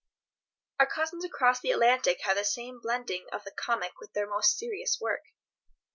Our cousins across the Atlantic have the same blending of the comic with their most serious work.